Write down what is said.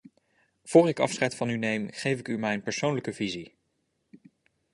Voor ik afscheid van u neem geef ik u mijn persoonlijke visie.